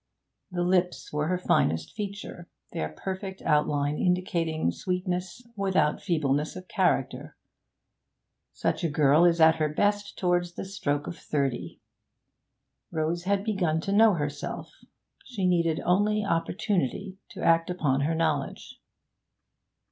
The lips were her finest feature, their perfect outline indicating sweetness without feebleness of character. Such a girl is at her best towards the stroke of thirty. Rose had begun to know herself; she needed only opportunity to act upon her knowledge.